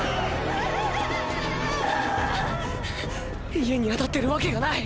家に当たってるわけがない。